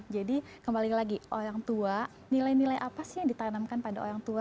jadi kembali lagi orang tua nilai nilai apa sih yang ditanamkan pada orang tua